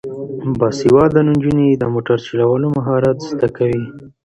باسواده نجونې د موټر چلولو مهارت زده کوي.